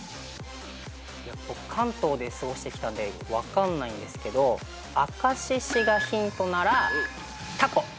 僕関東で過ごしてきたんで分かんないんですけど明石市がヒントなら。